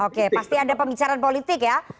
oke pasti ada pembicaraan politik ya